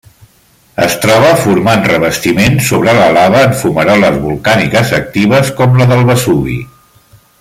Es troba formant revestiments sobre la lava en fumaroles volcàniques actives, com la del Vesuvi.